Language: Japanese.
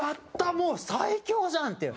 もう、最強じゃん！っていう。